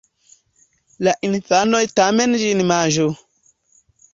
la infanoj tamen ĝin manĝu.